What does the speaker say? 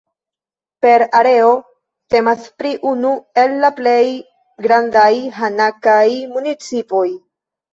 Per areo temas pri unu el la plej grandaj hanakaj municipoj.